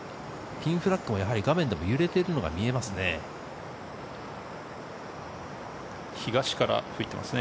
ピンフラッグも画面でも揺れているのが見えますね。